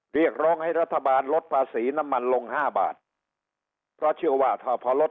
เรียกร้องให้รัฐบาลลดภาษีน้ำมันลงห้าบาทเพราะเชื่อว่าถ้าพอลด